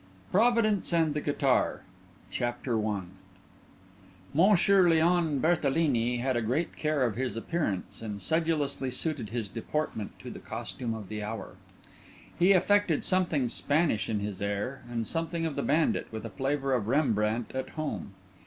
PROVIDENCE AND THE GUITAR CHAPTER I Monsieur Léon Berthelini had a great care of his appearance, and sedulously suited his deportment to the costume of the hour. He affected something Spanish in his air, and something of the bandit, with a flavour of Rembrandt at home.